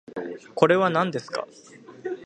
これはなんですか